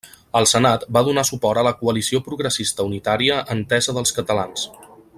Al senat va donar suport a la coalició progressista unitària Entesa dels Catalans.